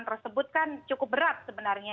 tersebut kan cukup berat sebenarnya